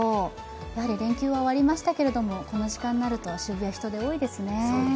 やはり連休は終わりましたけれどもこの時間になると渋谷、人出多いですね。